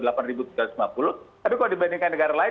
tapi kalau dibandingkan negara lain